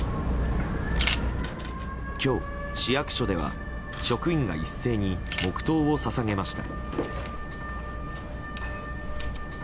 今日、市役所では職員が一斉に黙祷を捧げました。